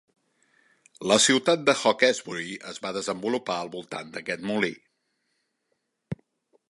La ciutat de Hawkesbury es va desenvolupar al voltant d'aquest molí.